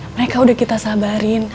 mereka udah kita sabarin